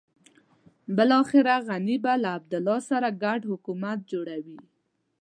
بلاخره غني به له عبدالله سره ګډ حکومت جوړوي.